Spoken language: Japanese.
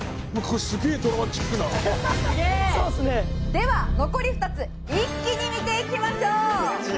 では残り２つ一気に見ていきましょう。